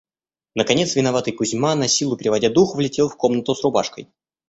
Наконец виноватый Кузьма, насилу переводя дух, влетел в комнату с рубашкой.